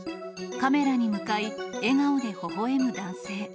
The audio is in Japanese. カメラに向かい、笑顔でほほえむ男性。